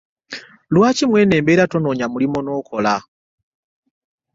Lwaki mweno embeera tononya mulimu n'okola?